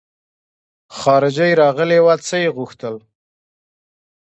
خارجۍ راغلې وه څه يې غوښتل.